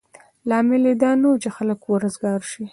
لامل یې دا نه و چې خلک وزګار شي.